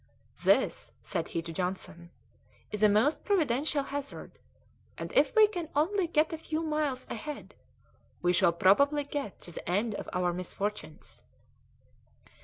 "This," said he to Johnson, "is a most providential hazard, and if we can only get a few miles ahead, we shall probably get to the end of our misfortunes."